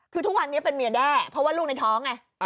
คือทุกวันนี้เป็นเมียแด้เพราะว่าลูกในท้องไง